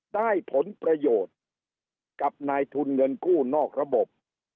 ได้ผลประโยชน์กับนายทุนเงินกู้นอกระบบ